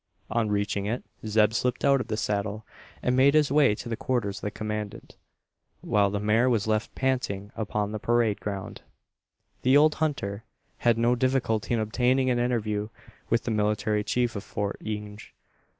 On reaching it, Zeb slipped out of the saddle, and made his way to the quarters of the commandant; while the mare was left panting upon the parade ground. The old hunter had no difficulty in obtaining an interview with the military chief of Fort Inge.